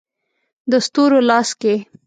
د ستورو لاس کې